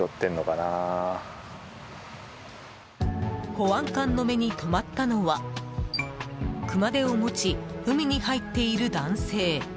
保安官の目に留まったのは熊手を持ち、海に入っている男性。